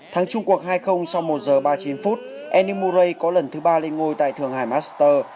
tháng trung quốc hai sau một giờ ba mươi chín phút andy murray có lần thứ ba lên ngôi tại thường hải master